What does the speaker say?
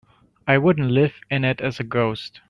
I wouldn't live in it as a ghost.